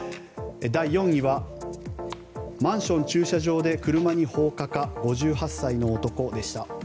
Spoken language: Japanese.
第４位は、マンション駐車場で車に放火か５８歳の男でした。